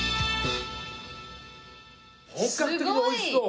本格的でおいしそう！